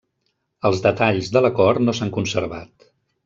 Els detalls de l'acord no s'han conservat.